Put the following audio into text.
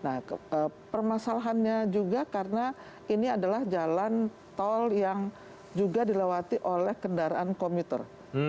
nah permasalahannya juga karena ini adalah jalan tol yang juga dilewati oleh kendaraan komuter